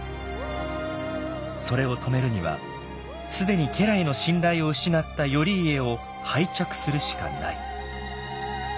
それを止めるには既に家来の信頼を失った頼家を廃嫡するしかない。